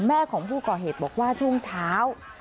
แม่ของผู้ก่อเหตุบอกว่าช่วงเช้า